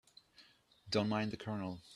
Don't mind the Colonel.